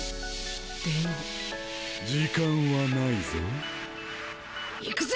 でも時間はないぞいくぜ！